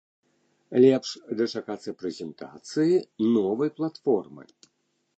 Лепш дачакацца прэзентацыі новай платформы.